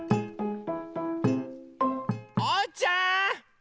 おうちゃん！